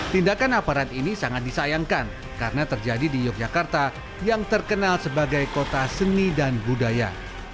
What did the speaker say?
tindakan aparat ini sangat disayangkan karena terjadi di yogyakarta yang terkenal sebagai kota seni dan budaya